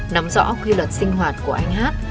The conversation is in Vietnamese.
nắm rõ quy luật sinh hoạt của anh hát